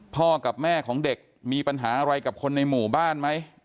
พ่อกับแม่ของเด็กมีปัญหาอะไรกับคนในหมู่บ้านไหม